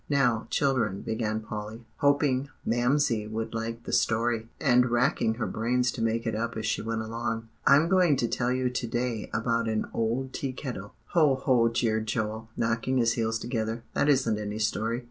"Now, children," began Polly, hoping Mamsie would like the story, and racking her brains to make it up as she went along, "I'm going to tell you to day about an old Tea Kettle." "Hoh! hoh!" jeered Joel, knocking his heels together; "that isn't any story."